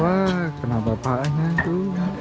wah kenapa apaan ya itu